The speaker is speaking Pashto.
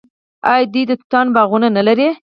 آیا دوی د توتانو باغونه نلري؟